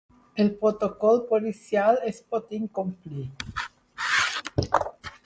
El protocol policial es pot incomplir